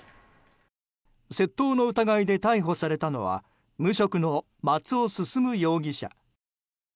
窃盗の疑いで逮捕されたのは無職の松尾将容疑者。